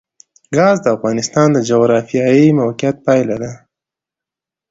ګاز د افغانستان د جغرافیایي موقیعت پایله ده.